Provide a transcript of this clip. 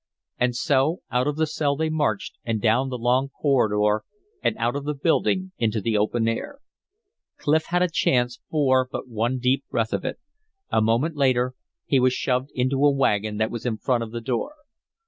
And so out of the cell they marched and down the long corridor and out of the building into the open air. Clif had chance for but one deep breath of it. A moment later he was shoved into a wagon that was in front of the door.